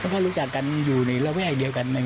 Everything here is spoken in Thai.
ถ้ารู้จักกันอยู่ในแวะเดียวกัน